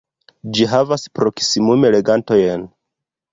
Ĝi havas proksimume legantojn.